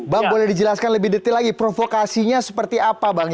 bang boleh dijelaskan lebih detail lagi provokasinya seperti apa bang